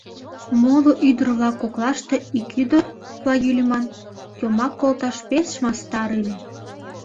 Моло ӱдыр-влак коклаште ик ӱдыр, Плаги лӱман, йомак колташ пеш мастар ыле.